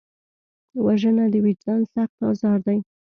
وژنه د وجدان سخت ازار دی